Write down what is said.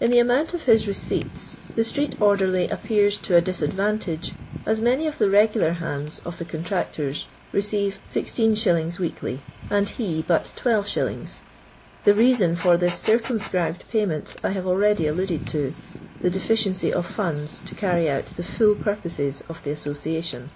In the amount of his receipts, the street orderly appears to a disadvantage, as many of the "regular hands" of the contractors receive 16*. weekly, and he but 12*. The reason for this circumscribed payment I have already alluded to — the deficiency of funds to carry out the full purposes of the Association.